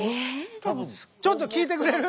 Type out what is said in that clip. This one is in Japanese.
ちょっと聞いてくれる？